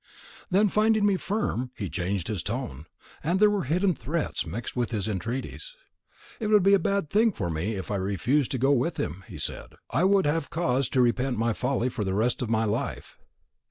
Then, finding me firm, he changed his tone, and there were hidden threats mixed with his entreaties. It would be a bad thing for me if I refused to go with him, he said; I would have cause to repent my folly for the rest of my life.